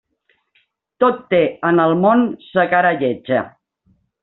Tot té en el món sa cara lletja.